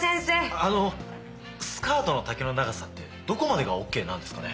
あのスカートの丈の長さってどこまでがオーケーなんですかね？